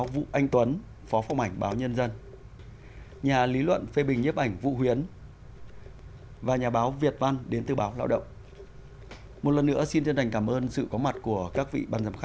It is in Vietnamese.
vâng nhà báo minh trí